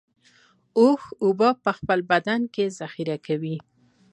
اوښ اوبه په خپل بدن کې ذخیره کوي